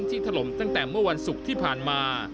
ถล่มตั้งแต่เมื่อวันศุกร์ที่ผ่านมา